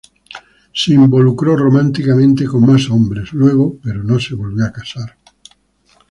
Se involucró románticamente con más hombres luego, pero no se volvió a casar.